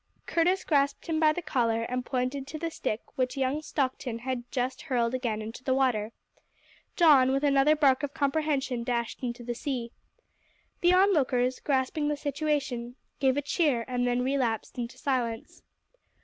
Curtis grasped him by the collar and pointed to the stick which young Stockton had just hurled again into the water. Don, with another bark of comprehension, dashed into the sea. The onlookers, grasping the situation, gave a cheer and then relapsed into silence.